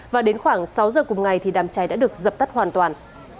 và đến khoảng sáu giờ cùng ngày thì đám cháy đã được dập tắt hoàn toàn